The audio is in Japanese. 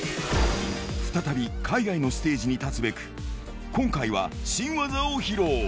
再び海外のステージに立つべく、今回は新技を披露。